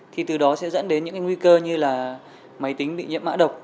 thì từ đó sẽ dẫn đến những nguy cơ như là máy tính bị nhiễm mã độc